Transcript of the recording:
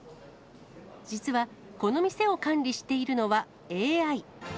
実は、この店を管理しているのはＡＩ。